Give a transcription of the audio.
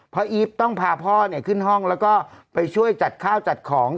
อีฟต้องพาพ่อขึ้นห้องแล้วก็ไปช่วยจัดข้าวจัดของ